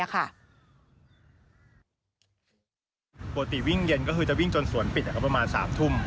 ปกติวิ่งเย็นก็คือจะวิ่งจนสวนปิดก็ประมาณ๓ทุ่ม